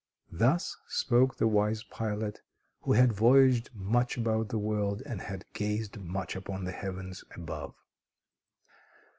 Thus spoke the wise pilot, who had voyaged much about the world, and had gazed much upon the heavens above.